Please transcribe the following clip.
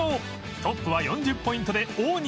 トップは４０ポイントで大西